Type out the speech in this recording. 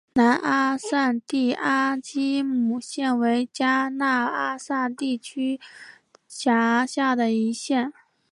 南阿散蒂阿基姆县为迦纳阿散蒂地区辖下的一县。